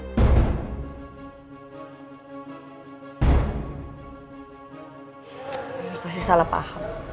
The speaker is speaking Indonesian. ini pasti salah paham